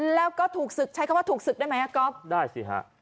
แล้วก็ถูกศึกใช้คำว่าถูกศึกได้ไหมฮะก๊อฟได้สิฮะ